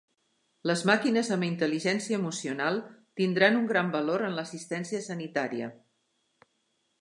Les màquines amb intel·ligència emocional tindran un gran valor en l'assistència sanitària.